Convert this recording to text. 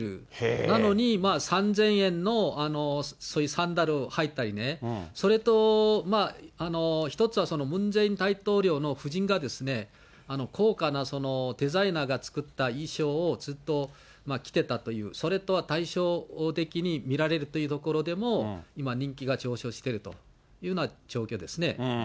それなのに、３０００円のそういうサンダルを履いたりね、それと、１つはその、ムン・ジェイン大統領の夫人が高価なデザイナーが作った衣装をずっと着てたという、それとは対照的に見られるというところでも、今、人気が上昇しているというような状況ですね。